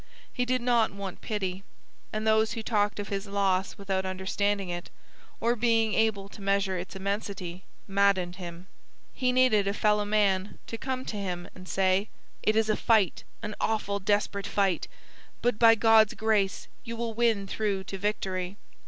He did not want pity, and those who talked of his loss without understanding it, or being able to measure its immensity, maddened him. He needed a fellow man to come to him and say: 'It is a fight an awful, desperate fight. But by God's grace you will win through to victory.